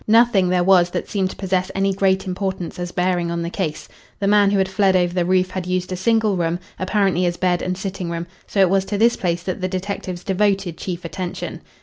Nothing there was that seemed to possess any great importance as bearing on the case. The man who had fled over the roof had used a single room, apparently as bed and sitting room, so it was to this place that the detectives devoted chief attention.